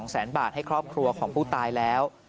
แสนบาทให้ครอบครัวของผู้ตายแล้ว